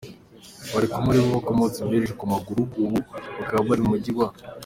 bari kumwe ari bo bakomeretse byoroheje ku maguru ubu bakaba bari mu mujyi wa.